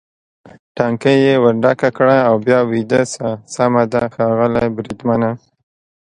ټانکۍ یې ور ډکه کړه او بیا ویده شه، سمه ده ښاغلی بریدمنه.